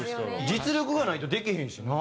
実力がないとできへんしな。